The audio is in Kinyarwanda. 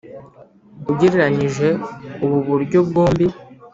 ugereranyije ubu buryo bwombi,